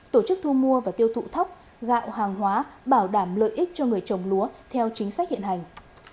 tổ chức thu mua và tiêu thụ thóc gạo hàng hóa bảo đảm lợi ích cho người trồng lúa theo chính sách hiện hành